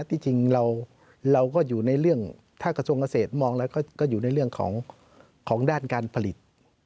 ที่จริงเราก็อยู่ในเรื่องถ้ากระทรวงเกษตรมองแล้วก็อยู่ในเรื่องของด้านการผลิต